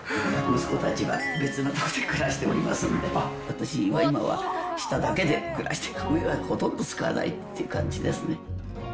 息子たちが別の所で暮らしておりますんで、私が今は下だけで暮らしていて、上はほとんど使わないっていう感じですね。